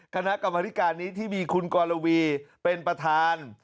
คณะกรรมธิการนี้ที่มีคุณกรวีเป็นประธาน